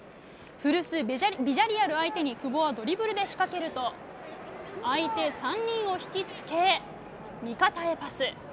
古巣・ビジャレアル相手に久保はドリブルで仕掛けると相手３人を引き付け、味方へパス。